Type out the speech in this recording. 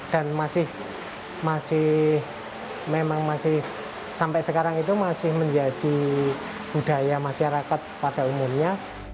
dan masih memang masih sampai sekarang itu masih menjadi budaya masyarakat pada umurnya